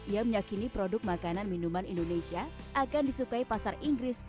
ia meyakini produk makanan minuman indonesia akan disukai pasar inggris